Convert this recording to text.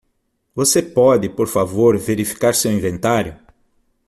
Você pode, por favor, verificar seu inventário?